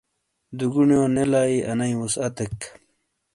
دُگونیو نے لائیی انئیی وُسعتیک۔